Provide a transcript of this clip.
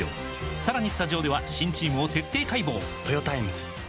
さらにスタジオでは新チームを徹底解剖！